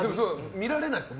見られないですか？